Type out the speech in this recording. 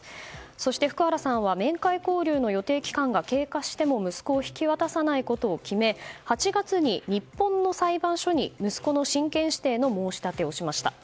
そして福原さんは面会交流の予定期間が経過しても息子を引き渡さないことを決め８月に日本の裁判所に息子の親権指定の申し立てをしました。